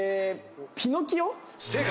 『ピノキオ』？